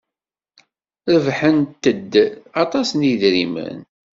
Rebḥent-d aṭas n yidrimen.